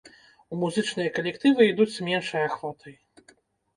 У музычныя калектывы ідуць з меншай ахвотай.